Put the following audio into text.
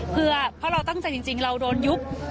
เพื่อเพราะเราตั้งใจจริงเราโดนยุบ